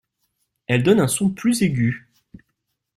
Elle donne un son plus aigu.